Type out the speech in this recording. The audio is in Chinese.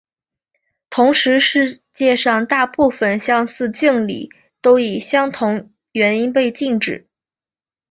同时世界上大部份相似敬礼都以相同原因被禁止。